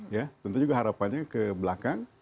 ya tentu juga harapannya ke belakang